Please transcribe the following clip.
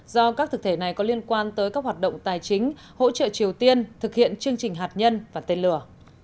do các thực thể này có liên quan tới các hoạt động tài chính hỗ trợ triều tiên thực hiện chương trình hạt nhân và tên lửa